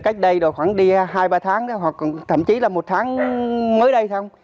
cách đây khoảng đi hai ba tháng hoặc thậm chí là một tháng mới đây